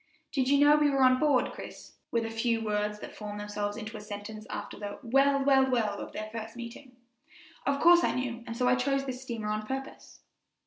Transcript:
"Did you know we were on board, Chris?" were the first words that formed themselves into a sentence after the "Well, well, well!" of their first meeting. "Of course I knew, and so I chose this steamer on purpose."